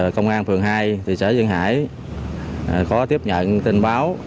công an phường hai thị xã duyên hải có tiếp nhận tin báo